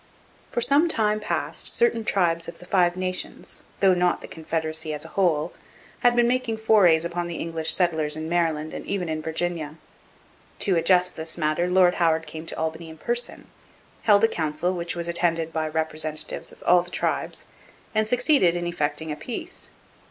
For some time past certain tribes of the Five Nations, though not the confederacy as a whole, had been making forays upon the English settlers in Maryland and even in Virginia. To adjust this matter Lord Howard came to Albany in person, held a council which was attended by representatives of all the tribes, and succeeded in effecting a peace.